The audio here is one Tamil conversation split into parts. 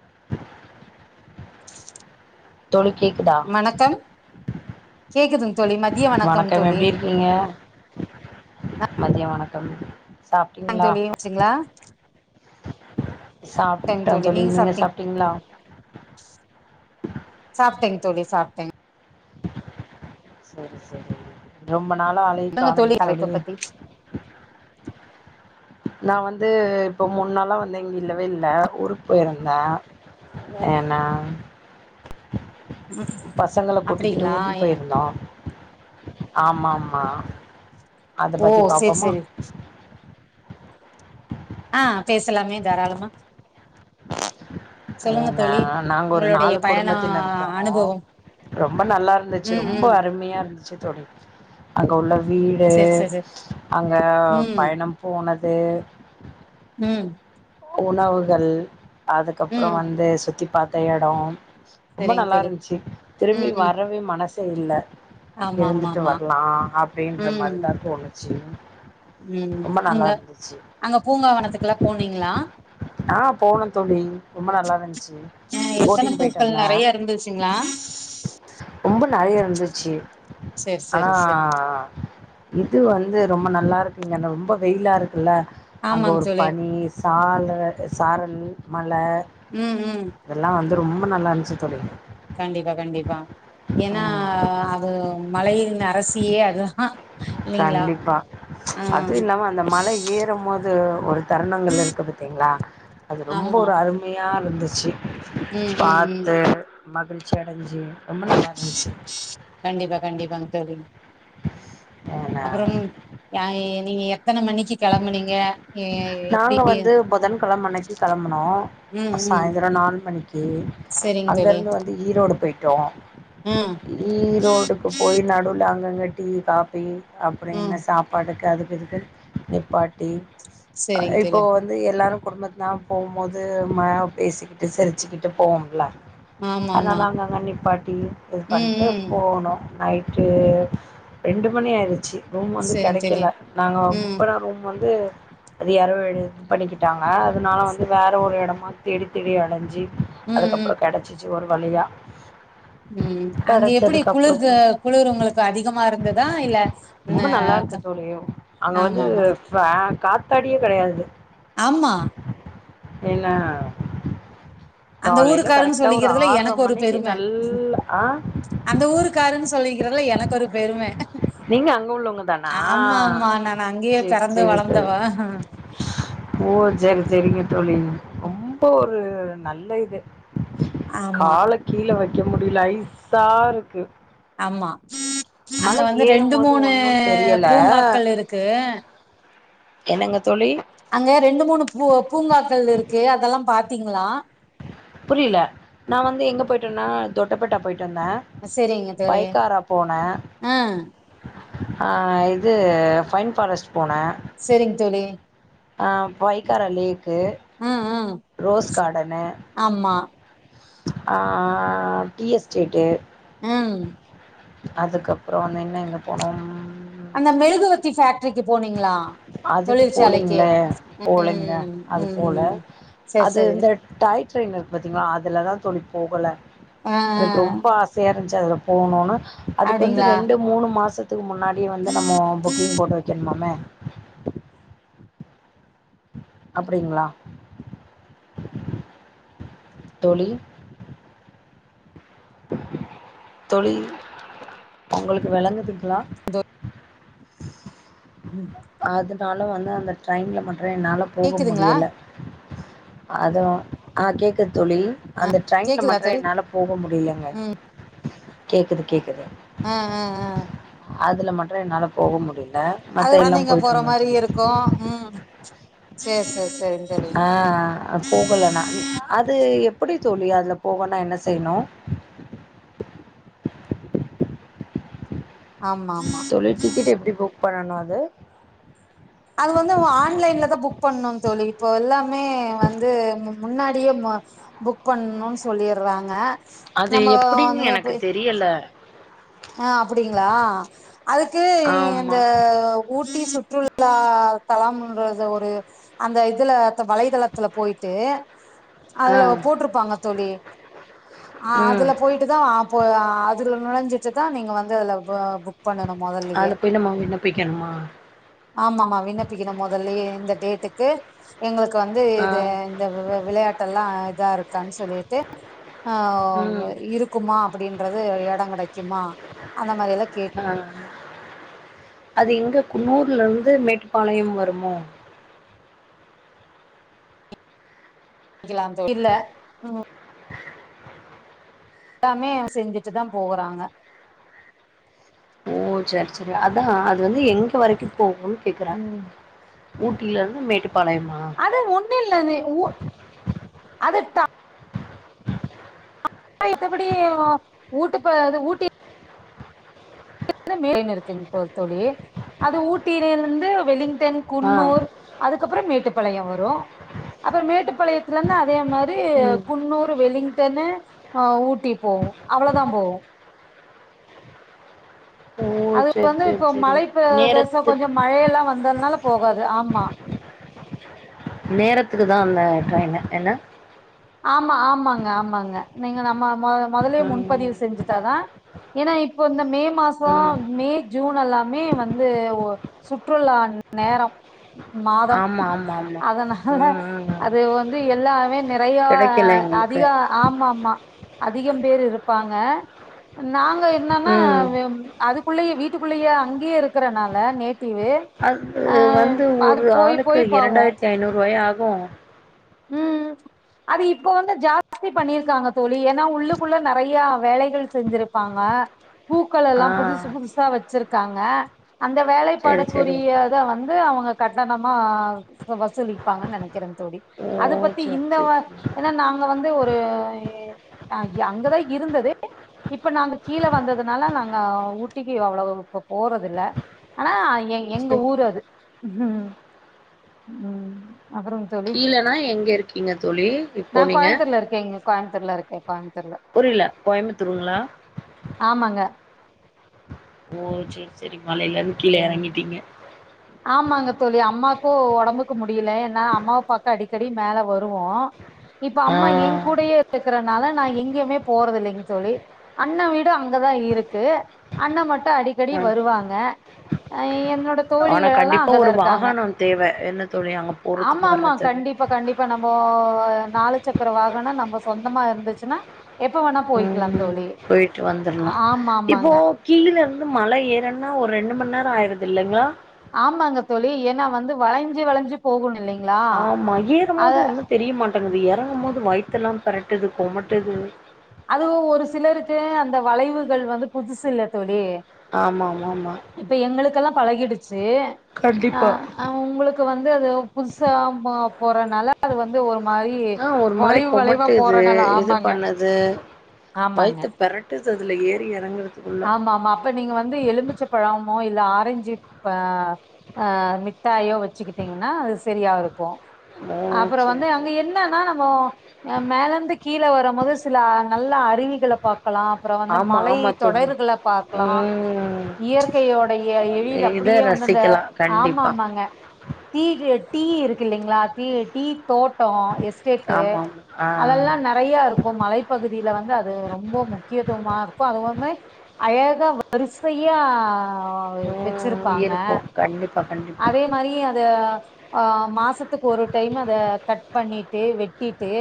[unintelligible] தோழி கேக்குதா வணக்கம் கேக்குதுங் தோழி மதிய வணக்கம் தோழி நீங்க மதிய வணக்கம் ஆ சாப்ட்டீங்களா தோழி வச்சீங்களா சாப்ட்டோ தோழி நீங்க சாப்ட்டீங்களா சாப்ட்டேங்க தோழி சாப்ட்டேங்க சரி சரி ரொம்ப நாளா ஆளே சொல்லுங்க காணோமே தலைப்ப தோழி பத்தி நா வந்து இப்போ மூனு நாளா வந்துங் இல்லவே இல்ல ஊருக்கு போயிருந்த ஏன்னா பசங்கள கூட்டிக்கிட்டு அப்டிங்களா ஊட்டி போயிருந்தோ ஆமாமா அத ஓ பத்தி சேரி பாப்போமா சேரி ஆ பேசலாமே தாராளமா ஏ சொல்லுங்க நா தோழி நாங்க ஒரு உங்களுடைய நாலு பயண குடும்பத்தினர் போனோ அனுபவம் ரொம்ப நல்லா இருந்துச்சு ம் ரொம்ப ம் அருமையா இருந்துச்சு தோழி அங்க உள்ள வீடு சேரி சேரி அங்க ம் பயணம் போனது ம் உணவுகள் அதுக்கப்றோ ம் வந்து சுத்தி பாத்த எடோ ரொம்ப சரிங்க நல்லா தோழி இருந்துச்சு திரும்பி ம் ம் வரவே மனசே இல்ல ஆமா ஆமா இருந்துட்டு ஆமா வர்லா அப்டின்ற ம் மாரிதா தோணுச்சு ம் ரொம்ப நல்லா அங்க இருந்துச்சு அங்க பூங்காவனத்துக்கெல்லா போனீங்களா ஆ போனோ தோழி ரொம்ப நல்லா இருந்ச்சு ஆ எத்தன பூக்கள் நெறைய இருந்துச்சுங்களா ரொம்ப நெறைய இருந்துச்சு சேரி ஆனா சேரி சேரி இது வந்து ரொம்ப நல்லா இருக்குங்க ரொம்ப வெயிலா இருக்குல்ல அங்க ஆமாங்க ஒரு தோழி பனி சால சாரல் மழ ம் ம் இதெல்லா வந்து ரொம்ப நல்லா இருந்ச்சி தோழி கண்டிப்பா கண்டிப்பா ஏன்னா ம் அது மலையின் அரசியே அதுதா இல்லைங்களா கண்டிப்பா ஆ அதும் இல்லாம அந்த மலை ஏறும் போது ஒரு தருணங்கள் இருக்கு பாத்திங்களா அது ரொம்ப ஆமா ஒரு அருமையா இருந்துச்சு ம் ம் ம் பாத்து மகிழ்ச்சி அடஞ்சு ரொம்ப நல்லா இருந்துச்சு கண்டிப்பா கண்டிப்பாங்க தோழி ஏன்னா அப்புறம் ஆ நீங்க எத்தன மணிக்கு கெளம்புனீங்க எ எப்டி நாங்க வந்து புதன்கெழம அன்னைக்கு கெளம்புனோ ம் ம் சாய்ந்தர நாலு மணிக்கி செரிங்க தோழி ஈரோடு போயிட்டோ ம் ஈரோடுக்கு போய் நடுவுல அங்கங்க டீ காஃபி அப்டின்னு ம் சாப் பாடுக்கு அதுக்கு இதுக்கு நிப்பாட்டி ஆ செரிங்க இப்போ தோழி வந்து எல்லாரு குடும்பத்துலா போவும் போது மா பேசிக்கிட்டு சிரிச்சுக்கிட்டு போவோம்ல ஆமா அதனால ஆமா அங்கங்க நிப்பாட்டி இது ம் பண்ணிட்டு ம் போனோ நைட் டு ரெண்டு மணி ஆயிருச்சி ரூம் வந்து செரிங்க தோழி கெடைக்கல நாங்க புக் ம் பண்ண ரூம் வந்து அது யாரோ இது பண்ணிக்கிட்டாங்க அதனால வந்து வேற ஒரு எடமா தேடித் தேடி அலஞ்சி ம் ம் அதுக்கப்புற கெடைச்சிச்சு ஒரு வழியா ம் அங்க எப்டி குளிர்து குளிர் உங்களுக்கு அதிகமா இருந்துதா இல்ல ந ரொம்ப க நல்லாருக்கு தோழி அங்க வந்து ஆமா ஆமா காத்தாடியே கெடையாது ஆமா என்னா அந்த காலையில ஊருக்காருன்னு கரெக்டா ஒரு சொல்லிக்கிறதுல ஆற்ற எனக்கு ஒரு மணிக்கு பெரும நல்ல அ அந்த ஊருக்காருன்னு சொல்லிக்கிறதுல்ல எனக்கு ஒரு பெரும நீங்கள் அங்கே உள்ளவங்க தானா ஆமா ஆமா நானு அங்கேயே சரி பெறந்து சரி தோழி வளந்தவா ஓ சேரி சேரிங்க தோழி ரொம்ப ஒரு நல்ல இது ஆமா கால கீழ வைக்க முடில ஐசாருக்கு ஆமா அங்க வந்து ஏறும் ரெண்டு போது மூணு ஒன்னு தெரியல பூங்காக்கள் இருக்கு என்னங்க தோழி அங்க ரெண்டு மூணு பூ பூங்காக்கள் இருக்கு அதெல்லா பாத்தீங்ளா புரியில நா வந்து எங்கே போய்ட்டேன்னா தொட்டபேட்டா பொய்ட்டுவந்தே செரிங்க தோழி பைக்காரா போனே ஆ அ இது ஃபைன் ஃபாரஸ்ட் போனே சேரிங் தோழி அ பைக்கார லேக்கு ம் ம் ரோஸ் காடனு ஆமா ஆ டீ எஸ்டேட்டு ம் அதுக்றோ வந்து இன்னு எங்க போனோம் அந்த மெழுகுவத்தி பேக்ட்ரிக்கு போனீங்ளா அதுக்கு போலிங்ளே போலிங்க ம் அது ம் போல ம் செரி அது செரி இந்த டாய் ட்ரெயின் இருக்கு பாத்தீங்ளா அதுலதா தோழி போகல ஆ எனக்கு ஆ ரொம்ப ஆச இருந்துச்சு அதில போணுனு அதுக்கு வந்து அப்டிங்களா ரெண்டு மூணு மாசத் த்துக்கு முன்னாடியே வந்து நம்ம புக்கிங் போட்டு வைக்கணுமாமே அப்டிங்ளா தோழி தோழி உங்களுக்கு வெளங்குதுங்ளா தோ ம் அதுனால வந்து அந்த ட்ரெயின்ல மட்டுயென்னால போக கேக்குதுங்களா முடியல அதுவு அ கேக்குது தோழி அந்த ட்ரெய்ன்ல கேக்குதுங்களா மட்டுய தோழி என்னால போக முடிலங்க ம் கேக்குது கேக்குது அ அ அ அதுல மட்டு என்னால போக முடில அதுல நீங்க போற மாரியிருக்கு ம் சேரி செரி செரி அ போகல நா அது எப்டி தோழி அதுல போகனா என்ன செய்யணு ஆமா ஆமா தோழி டிக்கெட் எப்டி புக் பண்ணனு அது அது வந்து ஆன்லைன்ல தா புக் பண்ணு தோழி இப்போ எல்லாமே வந்து முன்னாடியே புக் பண்ணுனு சொல்லிட்றாங்க நம்ம வந்துப்பே டியல்ல அ அப்டிங்ளா அதுக்கு ஆமா இந்த ஊட்டி சுற்றுலா தலம்ன்றது ஒரு அந்த இதுல வலைத்தளத்துல பொயிட்டு ஆ அதுல போட்ருப்பாங்க தோழி ஆ ம் அதுல போயி ட்டுதா அ போ அதுல நுழஞ்சிட்டு தா நீங்க வந்து அதுல புக் பண்ணணு அதுல போயி நம்ம விண்ணப்பிக்கணுமா ஆமா மா விண்ணப்பிக்கணு முதல்லயே இந்த டேட்டுக்கு எங்களுக்கு வந்து ஆ இது இந்த வெ விளையாட்டெல்லா இதாருக்கானு சொல்லிட்டு ஆ வ் ம் இருக்குமா அப்டின்றது எடோ கெடைக் குமா அந்த மாரில்லா கேட் ஆ அது இங்க குன்னூர்லருந்து மேட்டுப்பாளையம் வருமோ தோழி இல்ல [unintelligible] [inaudible] எல்லாமே அவுங் செஞ்சுட்டு தா போகுறாங்க ஓ சேர் சேரி அதா அது வந்து எங்க வரைக்கு போகுன் கேக்குறே ம் ஊட்டிலருந்து மேட்டுப்பாளயமா அது ஒன்னுல்லது உ அது டா ஆ எத்தபடி ஊட்டுப்பு அது ஊட்டி து மே ன் இருக்குங் தோ தோழி அது ஊட்டிலருந்து வெலிங்டன் ஆ குன்னூர் அதுக்கப்றோ மேட்டுப்பாளயோ வரு அப்றோ மேட்டுப்பாளயத்துலருந்து அதே மா ரி ம் குன்னூர் வெலிங்டன்னு ஊட்டி போவு அவ்ளோதா போவு ஓ அது இப்ப சரி வந்து சரி இப்போ சரி மழைப்பிரதேச நேரத்துக்கு கொஞ்சோ மழையெல்லா வந்ததுனால போகாது ஆமா நேரத்துக்கு தா அந்த ட்ரெயின் என்ன ஆமா ஆமாங்க ஆமாங்க நீங்க நம்ம மொத மொதலயே ம் முன்பதிவு செஞ்சுட்டாதா ஏன்னா இப்போ இந்த மே மாசோ ம் மே ஜூன் எல்லாமே வந்து ஒ சுற்றுலா நேரம் மாதம் ஆமா ஆமா ஆமா அதனால ம் ம் அது வந்து எல்லாமே யா கெடைக்கல எங்களுக்கு அதிகா ஆமாம்மா அதிகம் பேர் இருப்பாங்க நாங்க என்னன்னா ம் அதுக்குள்ளயே வீட்டுக்குள்ளயே அங்கயே இருக் றனால நேட்டீவு அது அது போய் போய் போவோ ஆயித்திஐநூறுவாயா ஆகு ம் அது இப்ப வந்து ஜாஸ்தி பண்ணிருக்காங்க தோழி ஏன்னா உள்ளுக்குள்ள நெறயா வேலைகள் செஞ்சிரு ப்பாங்க பூக்களெள்ளா ஆ புதுசு புதுசா வச்சிருக்காங்க அந்த சரி சரி வேலைப்பாடுக்குரிய இத வந்து அவுங்க கட்டணமா வசூலிப்பாங்கன் நெனைக்கிறே தோழி ஓ அத பத்தி சரி இந்த வ சரி சரி ஏன்னா நாங்க வந்து ஒரு ஆ ய அங்கதா இருந்தது இப்ப நாங்க கீழே வந்ததுனால நாங்க ஊட்டிக்கு அவ்ளவு போ போறதுல்ல ஆனா எ எங்க சரி ஊரு அது ம் அப்றோங் கீழனா எங்க இருக்கீங்க தோழி இப்போ நா நீங்க கோயமுத்தூர்ல இருக்கேங்க கோய்முத்தூர்ல இருக்கே கோய்முத்தூர்ல புரில கோயம்புத்தூருங்ளா ஆமாங்க ஓ சேர் சேரி மலைல இருந்து கீழ சரி. எறங்கிட்டீங்க ஆமாங்க தோழி அம்மாக்கு ஒடம்புக்கு முடில ஏன்னா அம்மாவ பாக்க அடிக்கடி மேல வருவோ இப்ப ஆ அம்மா ஏ கூடயே இருக்கறனால நா எங்கேயுமே போறது இல்லைங் தோழி அண்ணா வீடு அங்கதா இருக்கு அண்ண மட்டு அடிக்கடி ஆ வருவாங்க அ என்னோட தோழி ஆனா களலா கண்டிப்பா அங்கதா ஒரு இருக்காங்க வாகனம் தேவ என்ன தோழி அங்க போறதுக்கு ஆமா ஆமா வர்றதுக்கு கண்டிப்பா கண்டிப் இப்ப நம்போ நாலு சக்கர வாகனோ நம்ப சொந்தமா இருந்துச்சுன்னா எப்போ வேணா போயிக்கலா ம் தோழி ஆமா ஆமாங்க கீழருந்து மல ஏறனுன்னா ஒரு ரெண்டு மண்நேரோ ஆயிறது இல்லங்கோ ஆமாங்க தோழி ஏன்னா வந்து வளைஞ்சி வளைஞ்சு போகு இல்லைங்களா அத தெரியமாட்டேங்குது எறங்கும் போது வயித்தல்லா பெரட்டுது குமட்டுது அது ஒ ஒரு சிலருக்கு அந்த வளைவுகள் வந்து புதுசு இல்ல தோழி ஆமா மோம்மா இப்ப எங்களுக்கெல்லா பழகிடுச்சு அ கண்டிப்பா அ உங்களுக்கு வந்து அது புதுசா ப போறதுனால அது வந்து ஒரு மாரி ஆ ஒரு வளைவு வளைவா போறேனால்லா ஆமாங்க து ஆமாங்க வயத்த பெரட்டுது அதுல ஏறி இறங்கற ஆமா ஆமா அப்ப நீங்க வந்து எலுமிச்ச பழமோ இல்ல ஆரஞ்சு ப ஆ மிட்டாயோ வச்சுக்கிட்டீங்கன்னா அது சரியா இருக்கு ஓ அப்புறோ சேரி வந்து அங்க சேரி என்னன்னா நம்மோ அ மேலந்து கீழ வரும் போது சில நல்ல அருவிகள பாக்கலா அப்புறோ வந்து ஆமா மலை ஆமா தோழி தொடைர்கள பாக்கலா ம் இயற்கையோடைய எழில் இத அப்படியே வந்து அந்த ரசிக்கலா ஆமா கண்டிப்பா ஆமாங்க டீ டீ இருக்கு இல்லலைங்களா தீர டீ தோட்டோ எஸ்டேட்டு ஆமா ஆமா ஆ அதெல்லா நறைய இருக்கு மலை பகுதியில வந்து அது ரொம்ப முக்கியத்துவமா இருக்கு அதுவுமே அழகா வரிசையா ம் வச்சிருப்பாங்க இருக்கு கண்டிப்பா கண்டிப்பா அதே மாரி அத ஆ மாசத்துக்கு ஒரு டைம் அத கட் பண்ணிட்டு வெட்டிட்டு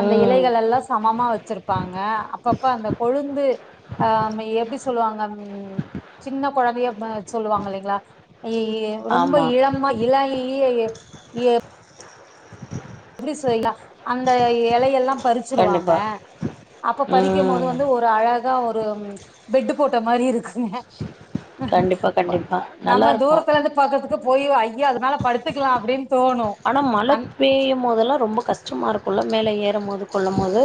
அந்த ம் இலைகள எல்லா சமமா வச்சிருப்பாங்க அப்பப்ப அந்த கொழுந்து ஆ ம் எப்டி சொல்லுவாங்க ம் சின்ன கொழந்தைய ம சொல்லுவாங்க இல்லலைங்களா அய்யயே ரொம்ப ஆமா இழமா இலகியய ய எப்டி செய்ல அந்த இலையெல்லாம் பறிச்சிருவாங்க கண்டிப்பா அப்ப பறிக்கும்போது ம் வந்து ஒரு அழ கா ஒரு பெட்டு் போட்ட மாரி இருக்குங்க கண்டிப்பா கண்டிப்பா நம்ம நல்லாருக்கு தூரத்துல இருந்து பாக்கரதுக்கு போயி அய்யா அது மேல படுத்துக்கலா அப்டின்னு தோணு ஆனா மழ அந்த பெய்யம் போதெல்லா ரொம்ப கஷ்டமாக இருக்குல்ல மேல ஏறும் போது கொள்ளம் போது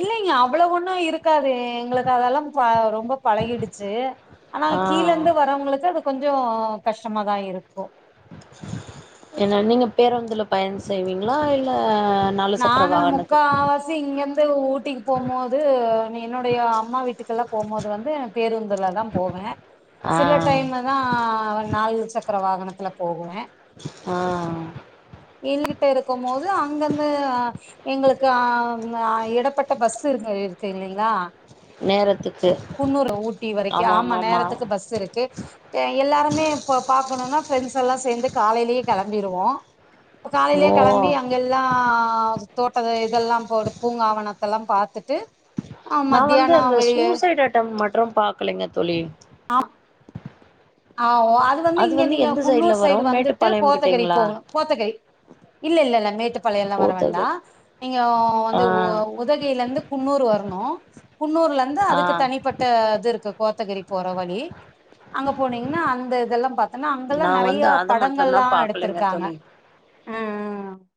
இல்லைங்க அவ்ளோ ஒண்ணு இருக்காதே எங்களுக்கு அதெல்லா ப ரொம்ப பழகிடுச்சு ஆனா ஆ கீழ இருந்து வரவுங்களுக்கு அது கொஞ்சோ கஷ்டமாதா இருக்கு என்ன நீங்க பேருந்துல பயணோ செய்வீங்களா இல்ல நாலு சக்கர நானு முக்கா வாகனத்தில் வாசி இங்க இருந்து ஊட்டிக்கு போம்போது என்னுடைய அம்மா வீட்டுக்கெல்லா போம்போது வந்து பேருந்துல தா போவ அ னா நாலு சக்கர வாகனத்துல போவ ஆ எங்ககிட்ட இருக்கும் போது அங்கந்து எங்களுக்கு அ அ இடப்பட்ட பஸ்ஸு இருக்கு இருக்கு இல்லலைங்களா நேரத்துக்கு குண்ணூரு ஊட்டி வரைக்கு ஆமா நேரத்துக்கு பஸ் இருக்கு எல்லாருமே இப்ப பாக்கணும்னா ஃப்ரெண்ட்ஸ் எல்லா சேர்ந்து காலையிலயே கிளம்பிடுவோ இப்ப காலையிலயே ஓ கிளம்பி அங்க எல்லா தோட்ட இதெல்லா போடு பூங்காவன இதுதெல்லா பாத்துட்டு ஆ நா வந்து மத்தியானோ அந்த வெளிய சூசைடு் அட்டம் மற்றும் பாக்கலங்க தோழி ஆ ஆ அது வந்து இங்க நீங்க எந்த சைட்ல குன்னூர் வரு சைடு வந்துட்டு மேட்டுப்பாளையம் கோத்தகிர கிட்டீங்களா போகணு கோத்தகிர இல்ல இல்ல இல்ல மேட்டு பழையல்லா வர வேண்டா கோத்தகு நீங்க ஆ வந்து உதகையில இருந்து குன்னூர் வரணு குன்னூர்ல இருந்து ஆ அதுக்கு தனிப்பட்ட இது இருக்கு கோத்தகிரி போற வழி அங்க போனீங்கன்னா அந்த இதெல்லா பாத்தீங்கன்னா அங்கெல்லா நா நிறைய வந்து அத படங்கள் மட்டுந்தா எல்லா பாக்கலைங்க எடுத்திருக்காங்க தோழி உ உ உ